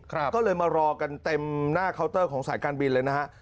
ก็เลยมารอกันเต็มหน้าเคาน์เตอร์ของสายการบินเลยนะฮะ